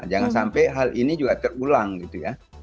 jangan sampai hal ini juga terulang gitu ya